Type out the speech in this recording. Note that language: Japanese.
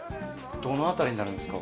どの辺りになるんすか？